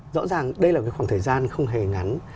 rõ ràng đây là cái khoảng thời gian không hề ngắn